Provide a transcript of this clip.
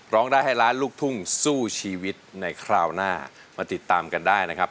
ร้องได้ให้ล้านลูกทุ่งสู้ชีวิตในคราวหน้ามาติดตามกันได้นะครับ